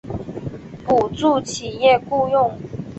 补助企业雇用